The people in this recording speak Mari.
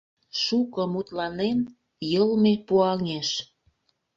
Шуко мутланен, йылме пуаҥеш.